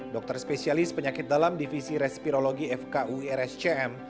dokter spesialis penyakit dalam divisi respirologi fku irs cm